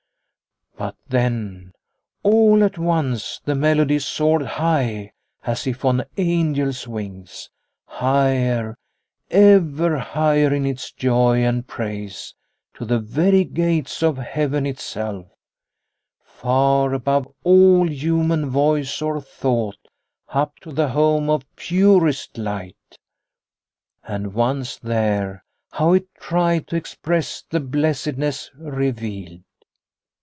But then, all at once, the melody soared high as if on angels' wings, higher, ever higher in its joy and praise, to the very gates of heaven itself ; far above all human voice or thought, up to the home of purest light. And once there, how it tried to express the blessed ness revealed.